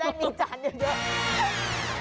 จะได้มีจานเยอะ